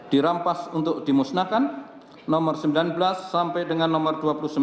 dirampas untuk dimusnahkan nomor sembilan belas sampai dengan nomor dua puluh sembilan